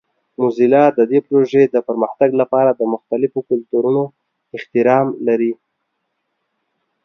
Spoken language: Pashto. موزیلا د دې پروژې د پرمختګ لپاره د مختلفو کلتورونو احترام لري.